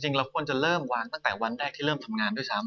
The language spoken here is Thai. เราควรจะเริ่มวางตั้งแต่วันแรกที่เริ่มทำงานด้วยซ้ำ